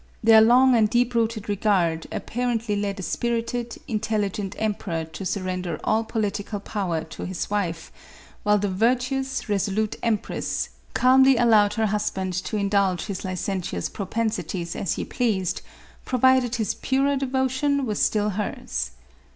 Their long and deep rooted regard apparently led a spirited, intelligent emperor to sur render all political power to his wife, while the virtu 204 MAKIA THERESA. ous, resolute empress calmly allowed her husband to indulge his licentious propensities as he pleased, pro vided his purer devotion were still hers.